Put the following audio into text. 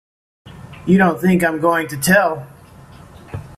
You don't think I'm gonna tell!